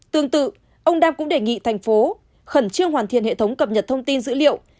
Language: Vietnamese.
tương tự ông đam cũng đề nghị thành phố khẩn trương hoàn thiện hệ thống cập nhật thông tin dữ liệu